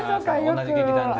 同じ劇団で。